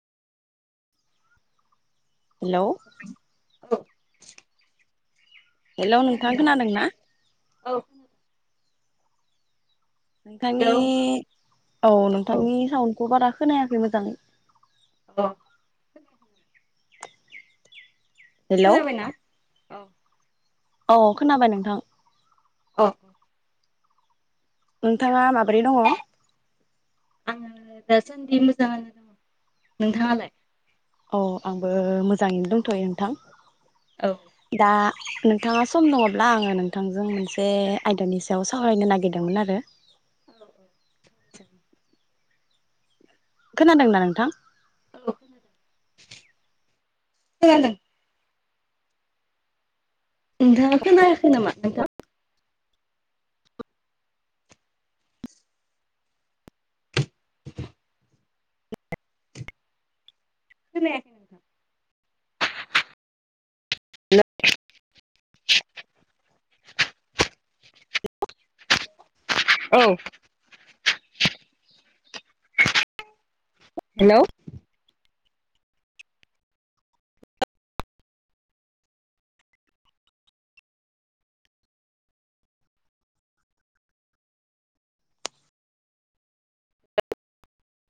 हेल औ हेलौ नोंथां खोनादोंना खोनादों ना औ नोंथांनि हेलौ औ नोंथांनि साउन गबारा खोनायाखै मोजाङै अ हेलौ खनाबायना औ औ खोनाबाय नोंथां अ अ नोंथाङा माबोरै दङ आङो दासान्दि मोजाङानो दङ नोंथाङालाय? अ आंबो मोजाङैनो दंथ'यो नोंथां। औ दा नोंथाङा सम दङब्ला आङो नोंथांजों मोनसे आयदानि सायाव सावरायनो नागिरदोंमोन आरो। औ औ थ। खोनादोंना नोंथां? औ खोनादों खोनादों। दाखनाााख नामा नथां। खथां [inaudible] [unintelligible] औ। हेल